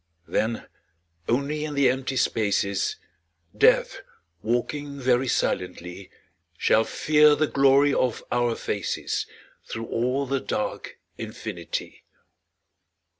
Then only in the empty spaces, Death, walking very silently, Shall fear the glory of our faces Through all the dark infinity.